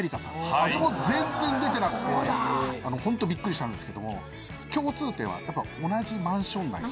あれも全然出てなくてホントビックリしたんですけども共通点はやっぱ同じマンション内。